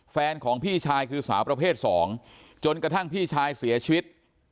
แฟนของพี่ชายคือสาวประเภทสองจนกระทั่งพี่ชายเสียชีวิต